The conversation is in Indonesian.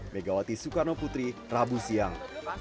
megawati soekarno putri rabu siang